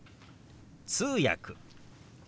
「通訳」。